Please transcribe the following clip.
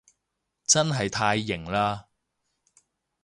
真係太型喇